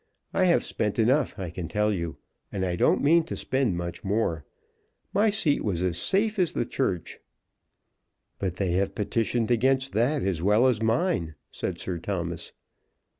I have spent enough, I can tell you, and I don't mean to spend much more. My seat was as safe as the Church." "But they have petitioned against that as well as mine," said Sir Thomas.